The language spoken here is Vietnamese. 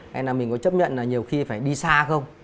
hay là mình có chấp nhận là nhiều khi phải đi xa không